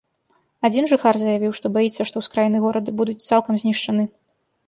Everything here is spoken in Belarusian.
Адзін жыхар заявіў, што баіцца, што ўскраіны горада будуць цалкам знішчаны.